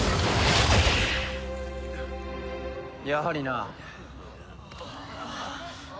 やはりな。